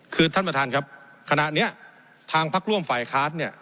คือท่านประธานครับคณะนี้ทางพักร่วมฝ่ายค้านเนี่ย